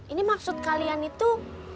ini maksud kalian itu